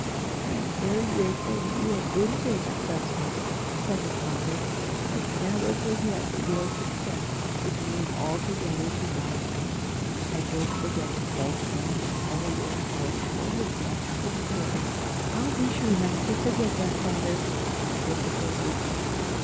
"I am very glad you have been so successful," said his father; "but never forget that your success is owing altogether to God's help, and don't forget to thank Him with all your heart for His watchful care." "I'll be sure not to forget that, father," was the boy's reply.